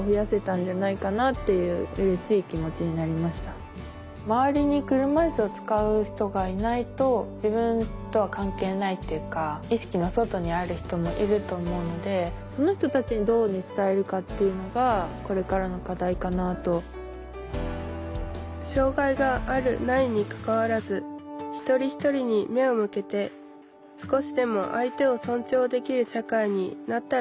例えば周りに車いすを使う人がいないと自分とは関係ないっていうか意識の外にある人もいると思うので障害があるないにかかわらずひとりひとりに目を向けて少しでも相手をそんちょうできる社会になったらいいな。